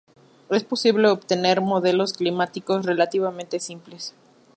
Es posible obtener modelos climáticos relativamente simples.